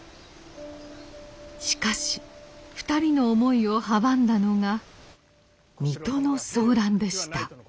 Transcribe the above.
しかし２人の思いを阻んだのが水戸の騒乱でした。